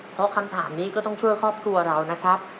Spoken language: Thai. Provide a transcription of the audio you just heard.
เพราะคำถามนี้ก็ต้องช่วยครอบครัวเรานะครับ